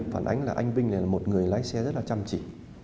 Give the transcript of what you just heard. phản ánh là anh bình là một người lái xe rất là chăm chỉ